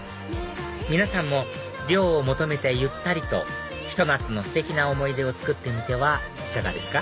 皆さんも涼を求めてゆったりとひと夏のステキな思い出を作ってみてはいかがですか？